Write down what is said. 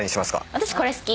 私これ好き。